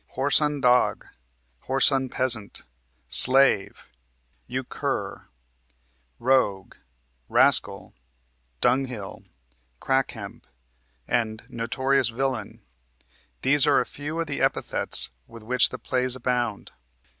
"Whoreson dog," "whoreson peasant," "slave," "you cur," "rogue," "rascal," "dunghill," "crack hemp," and "notorious villain" these are a few of the epithets with which the plays abound.